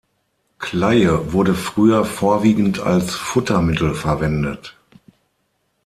Kleie wurde früher vorwiegend als Futtermittel verwendet.